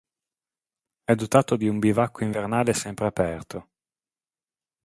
È dotato di un bivacco invernale sempre aperto.